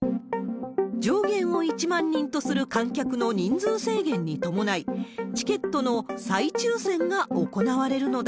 上限を１万人とする観客の人数制限に伴い、チケットの再抽せんが行われるのだ。